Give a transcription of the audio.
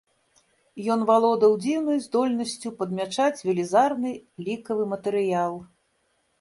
Ён валодаў дзіўнай здольнасцю падмячаць велізарны лікавы матэрыял.